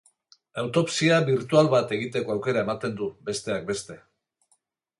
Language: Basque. Autopsia birtual bat egiteko aukera ematen du, besteak beste.